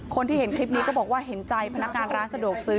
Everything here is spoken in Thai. คนที่เห็นคลิปนี้ก็บอกว่าเห็นใจพนักงานร้านสะดวกซื้อ